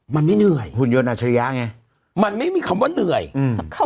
มันไม่เหนื่อยหุ่นยนต์อาชริยะไงมันไม่มีคำว่าเหนื่อยอืม